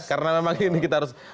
karena memang ini kita harus